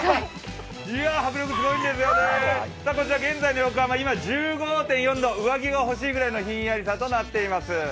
こちら、現在の横浜、１５．４度、上着が欲しいぐらいのひんやりさとなっています。